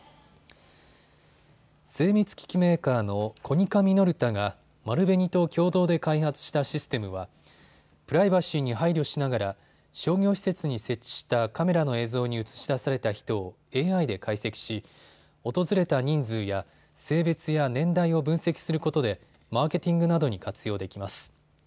精密機器メーカーのコニカミノルタが丸紅と共同で開発したシステムはプライバシーに配慮しながら商業施設に設置したカメラの映像に映し出された人をＡＩで解析し、訪れた人数や性別や年代を分析することでマーケティングなどに活用できます。